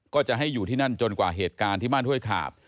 ก็จะให้อยู่ที่นั่นจนกว่าเหตุการณ์ที่บ้านห้วยขาบ